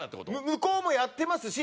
向こうもやってますし。